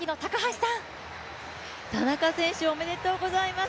田中選手、おめでとうございます。